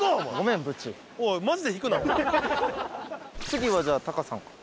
次はじゃあタカさんか。